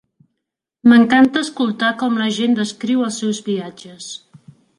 M'encanta escoltar com la gent descriu els seus viatges.